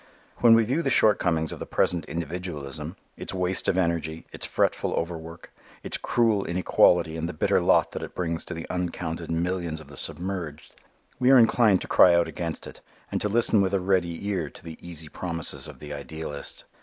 When we view the shortcomings of the present individualism, its waste of energy, its fretful overwork, its cruel inequality and the bitter lot that it brings to the uncounted millions of the submerged, we are inclined to cry out against it, and to listen with a ready ear to the easy promises of the idealist.